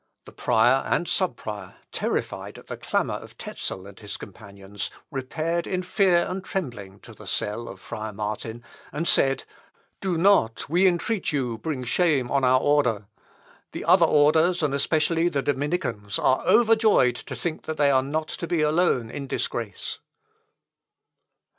The prior and sub prior, terrified at the clamour of Tezel and his companions, repaired in fear and trembling to the cell of friar Martin, and said, "Do not, we entreat you, bring shame on our order. The other orders, and especially the Dominicans, are overjoyed to think that they are not to be alone in disgrace."